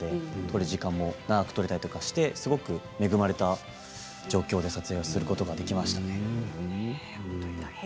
撮る時間も長く取れてすごく恵まれた状況で撮影をすることができました。